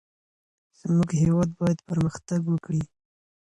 زمونږ هیواد باید پرمختګ وکړي.